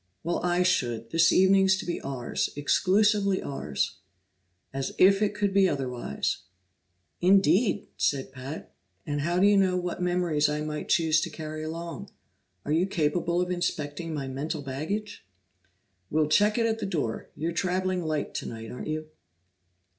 "Well, I should! This evening's to be ours exclusively ours." "As if it could ever be otherwise!" "Indeed?" said Pat. "And how do you know what memories I might choose to carry along? Are you capable of inspecting my mental baggage?" "We'll check it at the door. You're traveling light tonight, aren't you?"